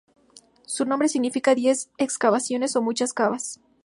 Su nombre significa "diez excavaciones" o "muchas cavas".